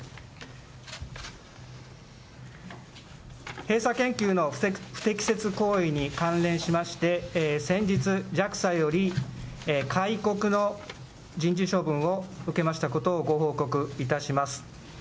閉鎖研究の不適切行為に関連しまして、先日、ＪＡＸＡより戒告の人事処分を受けましたことをご報告いたします。